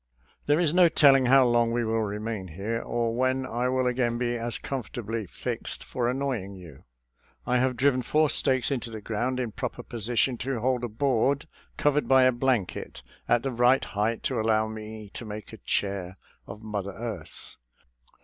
There is no telling how long we will remain here or when I will again be as comfortably fixed for annoying you. I have driven four stakes into the ground in proper position to hold a board, covered by a blanket, at the right height to allow me to make a chair of Mother Earth.